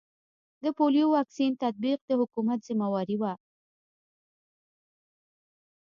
د پولیو واکسین تطبیق د حکومت ذمه واري ده